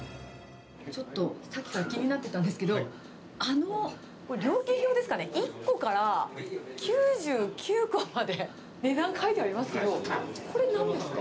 ちょっと、さっきから気になってたんですけど、あの料金表ですかね、１個から９９個まで、値段書いてありますけど、これ、なんですか？